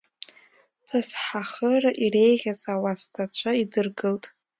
Ԥысҳахыра иреиӷьыз ауасҭацәа идыргылт.